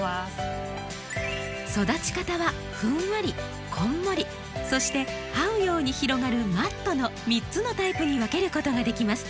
育ち方はふんわりこんもりそしてはうように広がるマットの３つのタイプに分けることができます。